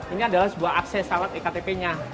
ini adalah sebuah akses alat e ktp nya